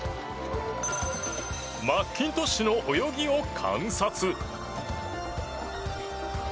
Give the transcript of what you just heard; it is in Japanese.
マッキントッシュの泳ぎを観察。